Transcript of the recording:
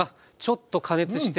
ちょっと加熱して。